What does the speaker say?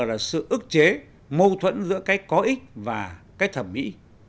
là sự ức chế mâu thuẫn giữa cách có ích và cái thẩm mỹ